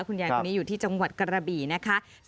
คุณยายคนนี้อยู่ที่จังหวัดกระบี่นะคะ